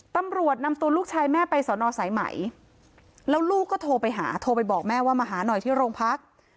ตำรวจนำตัวลูกชายแม่ไปสอนอสายไหมแล้วลูกก็โทรไปหาโทรไปบอกแม่ว่ามาหาหน่อยที่โรงพัก